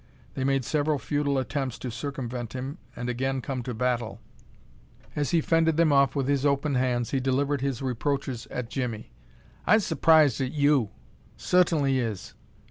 They made several futile attempts to circumvent him and again come to battle. As he fended them off with his open hands he delivered his reproaches at Jimmie. "I's s'prised at you! I suhtainly is!"